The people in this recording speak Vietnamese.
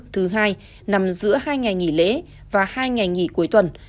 thứ hai nằm giữa hai ngày nghỉ lễ và hai ngày nghỉ cuối tuần